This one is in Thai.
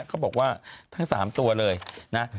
เขาบอกว่าทั้ง๓ตัวเลยนะ